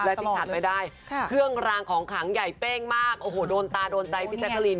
และที่ขาดไม่ได้เครื่องรางของขังใหญ่เป้งมากโอ้โหโดนตาโดนใจพี่แจ๊กกะลิน